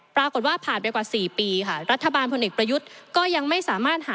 ปรากฏว่าผ่านไปกว่า๔ปีค่ะรัฐบาลพลเอกประยุทธ์ก็ยังไม่สามารถหา